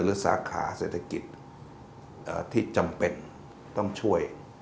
สาขาเศรษฐกิจที่จำเป็นต้องช่วย